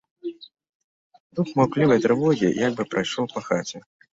Дух маўклівай трывогі як бы прайшоў па хаце.